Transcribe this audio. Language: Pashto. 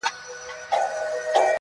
خلګ ياران نه په لسټوني کي ماران ساتي,